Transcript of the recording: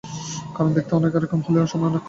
কারণ দেখতে এক রকম হলেও অনেক সময় এক রকম হয় না।